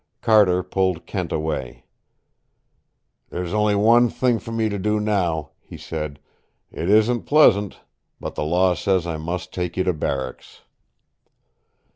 Carter pulled Kent away. "There's only one thing for me to do now," he said. "It isn't pleasant. But the law says I must take you to barracks."